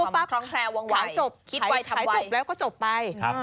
เพราะว่าปั๊บขายจบแล้วก็จบไป